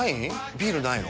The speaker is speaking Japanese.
ビールないの？